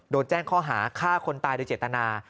โดนแจ้งข้อหาฆ่าคนตายโดยเจตนา